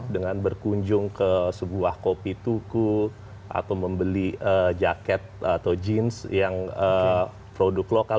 dengan berkunjung ke sebuah kopi tuku atau membeli jaket atau jeans yang produk lokal